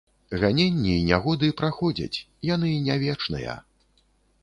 Ганенні і нягоды праходзяць, яны не вечныя.